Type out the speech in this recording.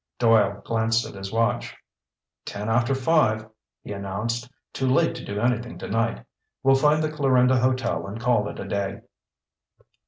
Doyle glanced at his watch. "Ten after five," he announced. "Too late to do anything tonight. We'll find the Clarinda Hotel and call it a day."